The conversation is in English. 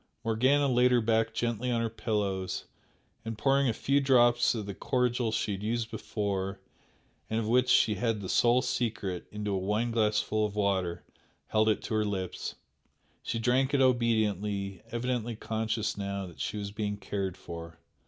Morgana laid her back gently on her pillows, and pouring a few drops of the cordial she had used before, and of which she had the sole secret, into a wineglassful of water, held it to her lips. She drank it obediently, evidently conscious now that she was being cared for.